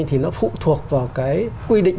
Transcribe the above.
thì nó phụ thuộc vào cái quy định